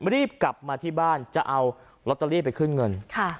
รีบกลับมาที่บ้านจะเอาลอตเตอรี่ไปขึ้นเงิน